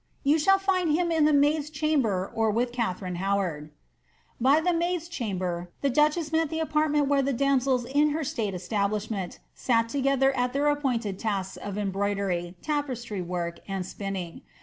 You shall And him in the maids' chamber, or with Katharine HowaitL'" By the maids' chamber, the duchess meant the apartment where tin damsels in her state establishment sat together at their appointed ivb of embroidery, tapestry work, and spinning.